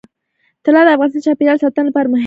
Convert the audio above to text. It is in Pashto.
طلا د افغانستان د چاپیریال ساتنې لپاره مهم دي.